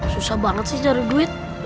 susah banget sih cari duit